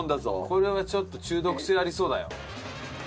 これはちょっと中毒性ありそうだよ。